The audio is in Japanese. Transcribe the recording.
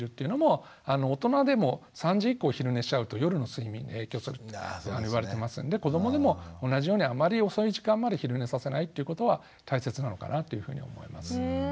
大人でも３時以降昼寝しちゃうと夜の睡眠に影響するっていわれてますんで子どもでも同じようにあまり遅い時間まで昼寝させないということは大切なのかなというふうに思います。